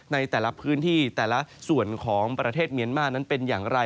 ในแต่ละพื้นที่แต่ละส่วนของประเทศเมียนมาร์นั้นเป็นอย่างไร